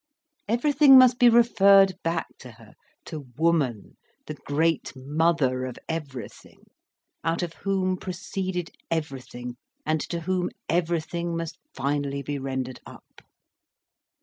Everything must be referred back to her, to Woman, the Great Mother of everything, out of whom proceeded everything and to whom everything must finally be rendered up.